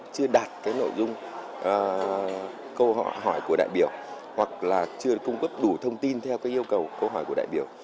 chưa đạt cái nội dung câu hỏi hỏi của đại biểu hoặc là chưa cung cấp đủ thông tin theo cái yêu cầu câu hỏi của đại biểu